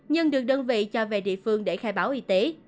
nhưng được đơn vị cho về địa phương để khai báo y tế